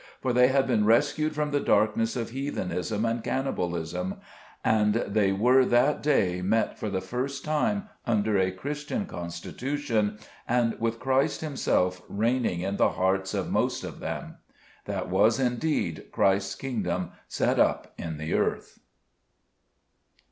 For they had been rescued from the darkness of heathenism and cannibalism, and they were that day met for the first time under a Christian constitution, and with Christ himself reigning in the hearts of most of them. That was indeed Christ's kingdom set up in the earth.'